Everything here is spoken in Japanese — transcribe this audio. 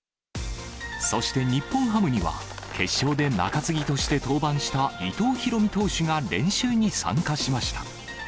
そして日本ハムには、決勝で中継ぎとして登板した伊藤大海投手が練習に参加しました。